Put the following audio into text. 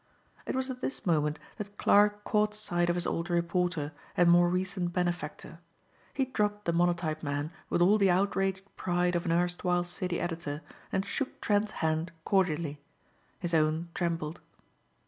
It was at this moment that Clarke caught sight of his old reporter and more recent benefactor. He dropped the monotype man with all the outraged pride of an erstwhile city editor and shook Trent's hand cordially. His own trembled.